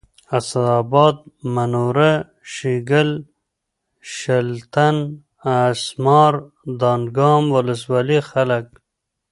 اسداباد منوره شیګل شلتن اسمار دانګام ولسوالیو خلک